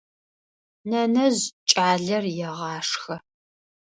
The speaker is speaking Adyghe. Нэнэжъ кӏалэр егъашхэ.